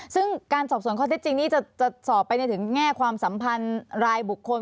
ซึ่งการสอบสวนข้อเท็จจริงนี้จะสอบไปในถึงแง่ความสัมพันธ์รายบุคคล